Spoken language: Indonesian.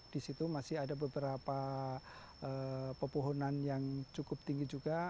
di situ masih ada beberapa pepohonan yang cukup tinggi juga